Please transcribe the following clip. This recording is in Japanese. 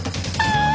ああ！